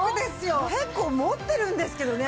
結構持ってるんですけどね。